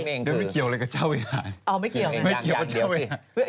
ไม่เกี่ยวอะไรกับเจ้าวิหา